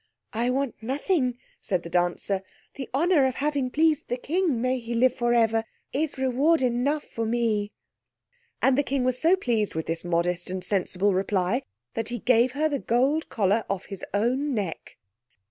"I want nothing," said the dancer; "the honour of having pleased the King may he live for ever is reward enough for me." And the King was so pleased with this modest and sensible reply that he gave her the gold collar off his own neck.